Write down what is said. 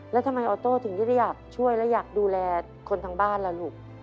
แล้วทำไมออโต้ถึงจะได้อยากช่วยและอยากดูแลคนทางบ้านล่ะลูก